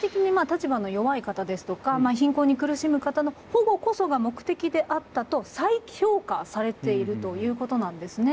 貧困に苦しむ方の保護こそが目的であったと再評価されているということなんですね。